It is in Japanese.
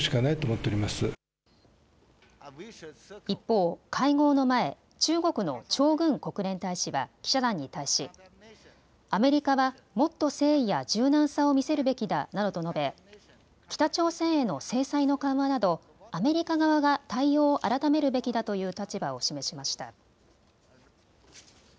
一方、会合の前、中国の張軍国連大使は、記者団に対し、アメリカはもっと誠意や柔軟さを見せるべきだなどと述べ北朝鮮への制裁の緩和などアメリカ側が対応を改めるべきだという立場を示しました。